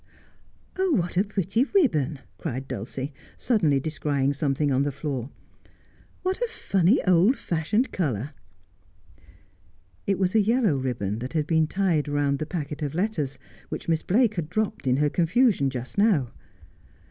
' Oh, what a pretty ribbon !' cried Dulcie, suddenly descrying something on the floor. ' What a funny old fashioned colour !' It was a yellow ribbon that had been tied round the packet of letters, which Miss Blake had dropped in her confusion just now.